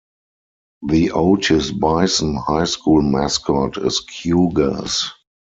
The Otis-Bison High School mascot is Cougars.